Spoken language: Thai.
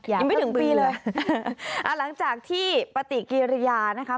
ยังไม่ถึงปีเลยอ่าหลังจากที่ปฏิกิริยานะคะ